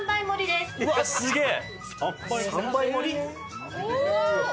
うわすげえ！